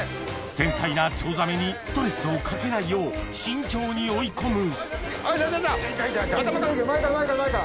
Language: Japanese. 繊細なチョウザメにストレスをかけないよう慎重に追い込む入った入った！